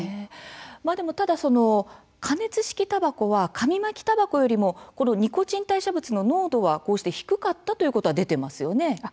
ただ、加熱式たばこは紙巻きたばこよりもこのニコチン代謝物の濃度はこうして低かったということは出ていますよね。